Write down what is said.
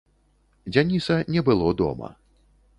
Дзяніса не было дома.